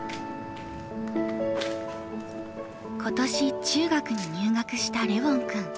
今年中学に入学したレウォン君。